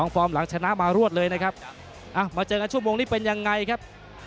ฟอร์มหลังชนะมารวดเลยนะครับมาเจอกันชั่วโมงนี้เป็นยังไงครับ